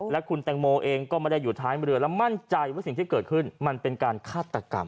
และคุณแตงโมเองก็ไม่ได้อยู่ท้ายเรือและมั่นใจว่าสิ่งที่เกิดขึ้นมันเป็นการฆาตกรรม